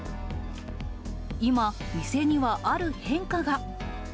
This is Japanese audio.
今、店には、ある変化が。